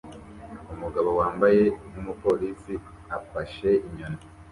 Umugabo wambaye nkumupolisi afashe inyoni